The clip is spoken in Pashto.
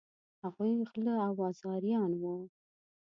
هغوی غله او آزاریان وه.